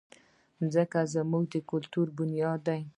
مځکه زموږ د کلتور بنیاد ده.